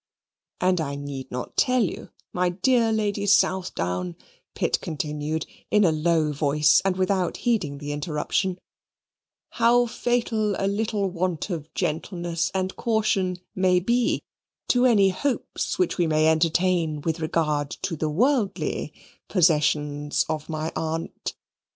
"And I need not tell you, my dear Lady Southdown," Pitt continued, in a low voice, and without heeding the interruption, "how fatal a little want of gentleness and caution may be to any hopes which we may entertain with regard to the worldly possessions of my aunt.